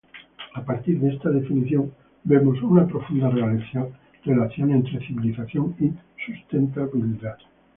A partir de esta definición, vemos una profunda relación entre civilización y sustentabilidad.